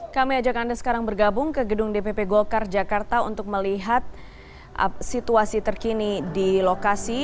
kami ajak anda sekarang bergabung ke gedung dpp golkar jakarta untuk melihat situasi terkini di lokasi